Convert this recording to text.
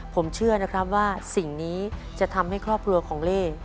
ผมเชื่อนะครับว่าสิ่งนี้จะทำให้ครอบครัวของเล่